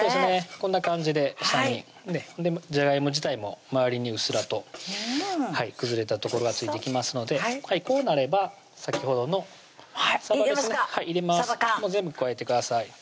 こんな感じで下にじゃがいも自体も周りにうっすらと崩れた所が付いてきますのでこうなれば先ほどの入れますかさば缶全部加えてください